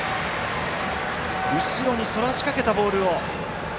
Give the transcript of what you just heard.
後ろにそらしかけたボールを。